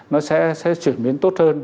nó sẽ chuyển biến tốt hơn